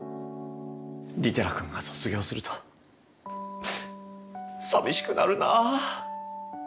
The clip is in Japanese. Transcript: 利寺君が卒業すると寂しくなるな。